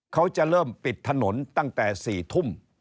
เขาจะเริ่มปิดถนนตั้งแต่๔ทุ่ม